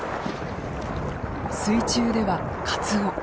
水中ではカツオ。